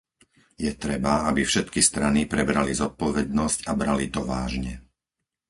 Je treba, aby všetky strany prebrali zodpovednosť a brali to vážne.